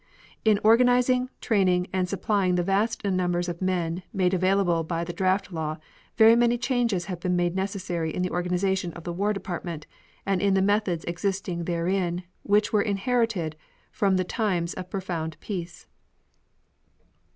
In organizing, training, and supplying the vast numbers of men made available by the draft law very many changes have been made necessary in the organization of the War Department and in the methods existing therein which were inherited from the times of profound peace.